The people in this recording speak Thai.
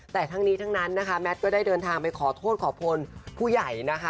แต่ทั้งนี้ทั้งนั้นนะคะแมทก็ได้เดินทางไปขอโทษขอพลผู้ใหญ่นะคะ